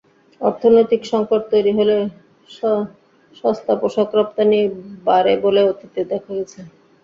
অর্থনৈতিক সংকট তৈরি হলে সস্তা পোশাক রপ্তানি বাড়ে বলে অতীতে দেখা গেছে।